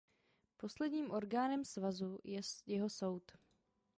Posledním orgánem svazu je jeho soud.